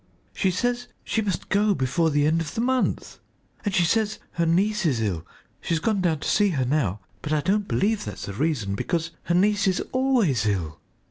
"She says she must go before the end of the month, and she says her niece is ill; she's gone down to see her now, but I don't believe that's the reason, because her niece is always ill.